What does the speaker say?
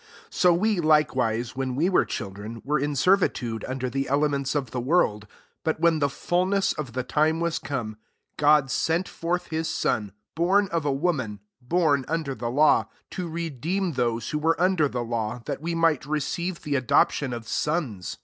3 So we, likewise, when we were children, were in servi tude under the elements of the world : 4 but when the fulness of the time was come, God sent forth his Son, born of a woman,* born under the law, 5 to redeem those who were under the law, that we might receive the adoption of sons.